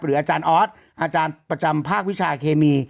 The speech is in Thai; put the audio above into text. อาจารย์ออสอาจารย์ประจำภาควิชาเคมี